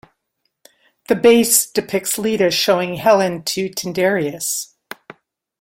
The base depicts Leda showing Helen to Tyndareus.